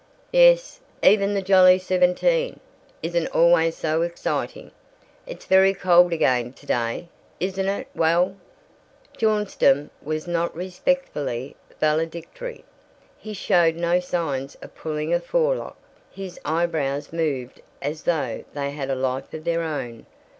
"Yes, even the Jolly Seventeen isn't always so exciting. It's very cold again today, isn't it. Well " Bjornstam was not respectfully valedictory. He showed no signs of pulling a forelock. His eyebrows moved as though they had a life of their own.